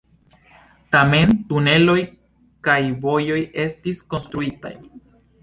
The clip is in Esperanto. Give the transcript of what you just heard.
Tamen, tuneloj kaj vojoj estis konstruitaj.